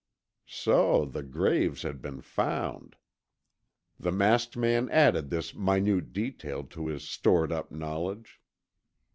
So the graves had been found. The masked man added this minute detail to his stored up knowledge.